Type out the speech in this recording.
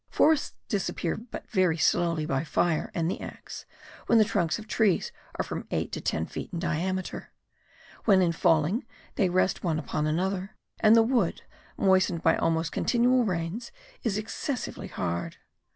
Forests disappear but very slowly by fire and the axe when the trunks of trees are from eight to ten feet in diameter; when in falling they rest one upon another, and the wood, moistened by almost continual rains, is excessively hard.